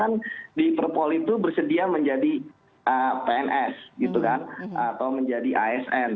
karena di perpol itu bersedia menjadi pns gitu kan atau menjadi asn